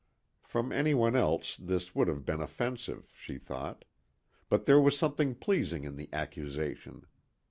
From anyone else this would have been offensive, she thought. But there was something pleasing in the accusation.